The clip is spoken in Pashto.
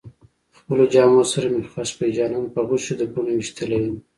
خپلو جامو سره مې خښ کړئ جانان په غشو د بڼو ويشتلی يمه